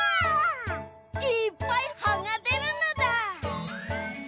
いっぱいはがでるのだ。